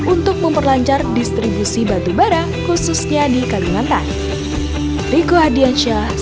untuk memperlancar distribusi batu bara khususnya di kalimantan